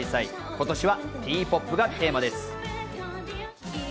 今年はＴ−ＰＯＰがテーマです。